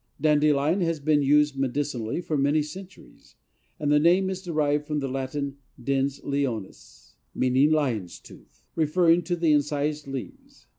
Dandelion has been used medicinally for many centuries, and the name is derived from the Latin dens leonis, meaning lion's tooth, referring to the incised leaves.